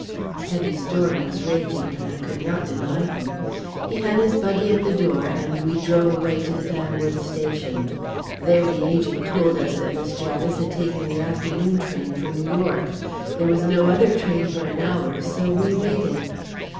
A heavy storm was raging, but I could not deny him; he had his buggy at the door, and we drove away to the Fanwood station. There the agent told us that Miss Jarvis had taken the afternoon train for New York. There was no other train for an hour, so we waited.